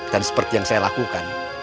dan seperti yang saya lakukan